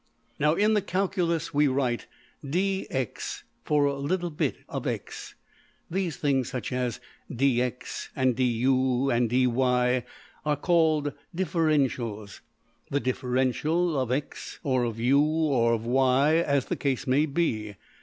Now in the calculus we write $dx$ for a little bit of~$x$. These things such as~$dx$, and~$du$, and~$dy$, are called ``differentials,'' the differential of~$x$, or of~$u$, or of~$y$, as the case may be.